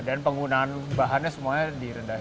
dan penggunaan bahannya semuanya direndahin